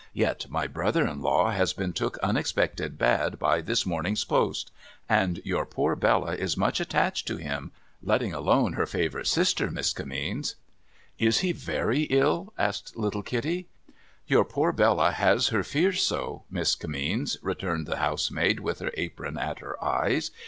Yet my brother in law has been took unexpected bad by this morning's post. And your poor Bella is much attached to him, letting alone her favourite sister, Miss Kimmeens.' * Is he very ill ?' asked little Kitty. ' Your poor Bella has her fears so. Miss Kimmeens,' returned the housemaid, with her apron at her eyes.